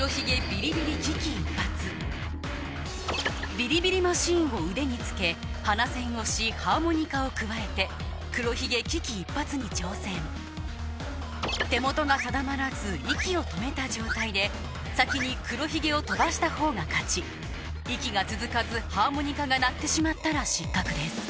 ビリビリマシンを腕につけ鼻栓をしハーモニカをくわえて黒ひげ危機一発に挑戦手元が定まらず息を止めた状態で先に黒ひげを飛ばしたほうが勝ち息が続かずハーモニカが鳴ってしまったら失格です